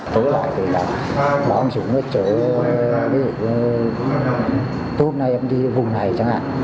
tối lại thì là bọn chúng ở chỗ tối hôm nay em đi vùng này chẳng hạn